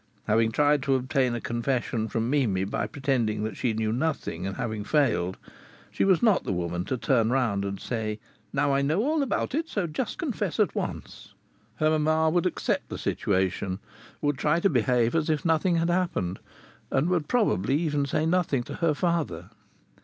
Having tried to obtain a confession from Mimi by pretending that she knew nothing, and having failed, she was not the woman to turn round and say, "Now I know all about it. So just confess at once!" Her mamma would accept the situation, would try to behave as if nothing had happened, and would probably even say nothing to her father.